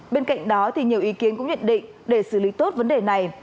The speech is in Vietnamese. bên cạnh đó nhiều ý kiến cũng nhận định để xử lý tốt vấn đề này